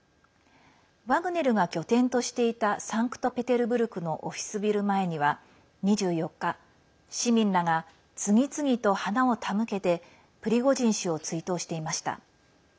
ワグネルが拠点としていたサンクトペテルブルクのオフィスビル前には２４日市民らが次々と花を手向けてプリゴジン氏を追悼していました。